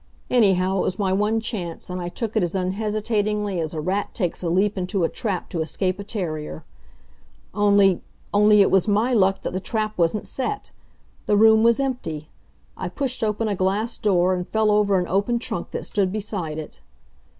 Anyhow, it was my one chance, and I took it as unhesitatingly as a rat takes a leap into a trap to escape a terrier. Only only, it was my luck that the trap wasn't set! The room was empty. I pushed open a glass door, and fell over an open trunk that stood beside it.